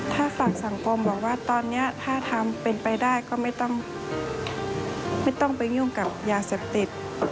ถ้าฝั่งสังคมบอกว่าตอนนี้ถ้าทำเป็นไปได้ก็ไม่ต้องไปยุ่งกับยาเสพติด